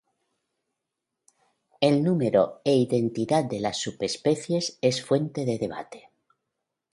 El número e identidad de las subespecies es fuente de debate.